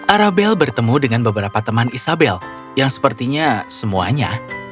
arabel bertemu dengan beberapa teman isabel yang sepertinya semuanya